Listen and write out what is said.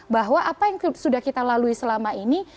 bahwa apa yang sudah kita lalui selama ini